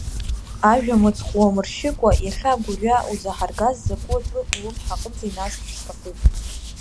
Ажәа мыцхә уамыршьыкәа, иахьа агәырҩа узаҳаргаз закәу атәы улымҳаҟынӡа иназгар сҭахуп.